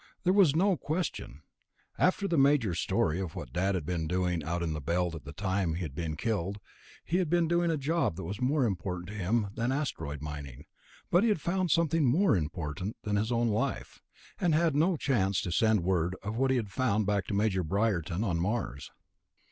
There was no question, after the Major's story, of what Dad had been doing out in the Belt at the time he had been killed. He had been doing a job that was more important to him than asteroid mining ... but he had found something more important than his own life, and had no chance to send word of what he had found back to Major Briarton on Mars.